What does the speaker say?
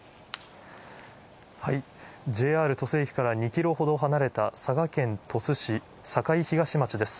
ＪＲ鳥栖駅から２キロほど離れた佐賀県鳥栖市酒井東町です。